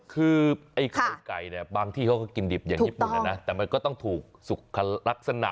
คือไอ้ไข่ไก่เนี่ยบางที่เขาก็กินดิบอย่างญี่ปุ่นนะนะแต่มันก็ต้องถูกสุขลักษณะ